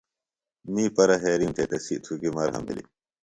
می پرہیرِیم تھےۡ تسی تُھکیۡ مرھم بِھلیۡ۔